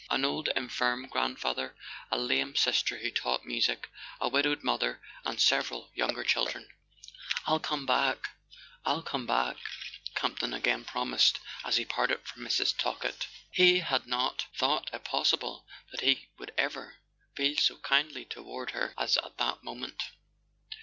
An old infirm grandfather, a lame sister who taught music, a widowed mother and several younger children. .." "I'll come back, I'll come back," Campton again promised as he parted from Mrs. Talkett. He had not thought it possible that he would ever feel so kindly toward her as at that moment.